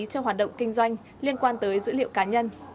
cho hoạt động kinh doanh liên quan tới dữ liệu cá nhân